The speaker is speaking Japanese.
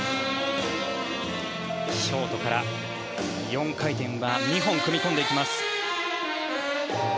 ショートから４回転は２本組み込んでいます。